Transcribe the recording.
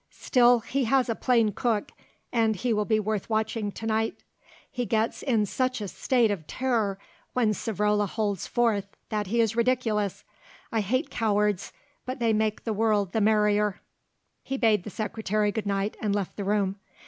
Still he has a plain cook and he will be worth watching to night. He gets in such a state of terror when Savrola holds forth that he is ridiculous. I hate cowards, but they make the world the merrier." He bade the Secretary good night and left the room.